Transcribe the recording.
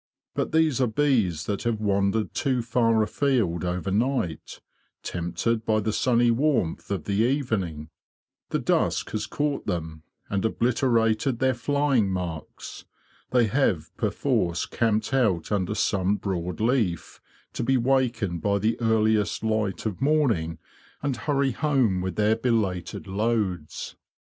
But these are bees that have wandered too far afield overnight, tempted by the sunny warmth of the evening. The dusk has caught them, and oblit erated their flying marks. They have perforce camped out under some broad leaf, to be wakened by the earliest light of morning and hurry home with their belated loads.